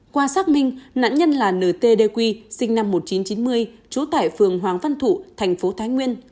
qua xác minh nạn nhân là n t d qui sinh năm một nghìn chín trăm chín mươi trú tại phường hoàng văn thụ thành phố thái nguyên